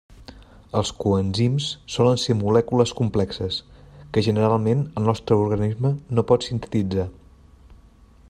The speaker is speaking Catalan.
Els coenzims solen ser molècules complexes, que generalment el nostre organisme no pot sintetitzar.